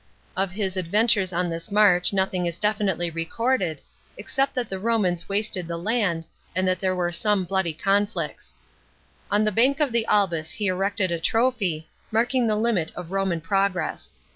Of his adventures on this march nothing is definitely recorded, except that the Romans wasted the land and that there were some bloody conflicts. On the bank of the Albis he erected a trophy, marking the limit of Roman progress.